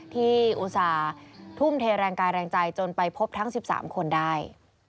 อุตส่าห์ทุ่มเทแรงกายแรงใจจนไปพบทั้ง๑๓คนได้